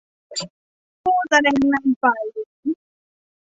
ผู้แสดงนำฝ่ายหญิง